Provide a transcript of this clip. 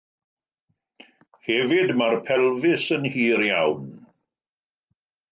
Hefyd mae'r pelfis yn hir iawn.